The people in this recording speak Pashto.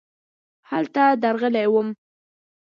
هلته درغلې وم .